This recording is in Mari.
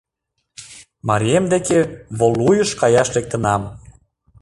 Марием деке Волуйыш каяш лектынам.